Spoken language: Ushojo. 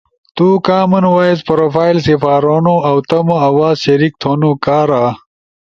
تو کامن وائس پروفائل سپارونو اؤ تمو آواز شریک تھونو کارا